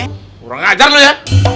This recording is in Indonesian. kurang ajar lu ya